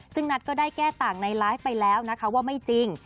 ซึ่งนัทก็ได้แก้ต่างในไลฟ์ไปแล้วนะคะว่าไม่จริง